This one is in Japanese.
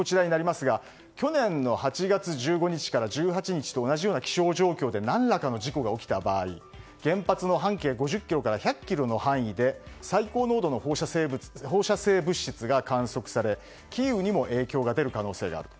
去年の８月１５日から１８日と同じ気象状況で何らかの事故が起きた場合原発の半径５０ｋｍから１００ｋｍの範囲で最高濃度の放射性物質が観測されキーウにも影響が出る可能性がある。